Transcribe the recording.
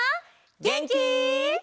げんき？